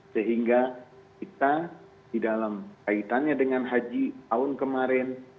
sehingga kita di dalam kaitannya dengan haji tahun kemarin